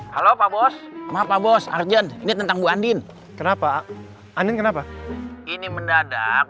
halo pak bos maaf pak bos arjen ini tentang bu andin kenapa andin kenapa ini mendadak